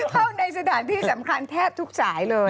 เข้าในสถานที่สำคัญแทบทุกสายเลย